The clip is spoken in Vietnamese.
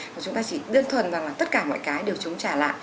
mà chúng ta chỉ đơn thuần rằng là tất cả mọi cái đều chống trả lạ